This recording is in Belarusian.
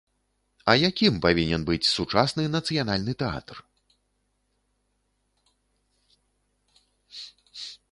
А якім павінен быць сучасны нацыянальны тэатр?